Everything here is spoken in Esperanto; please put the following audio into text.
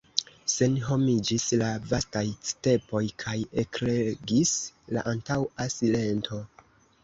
Senhomiĝis la vastaj stepoj, kaj ekregis la antaŭa silento.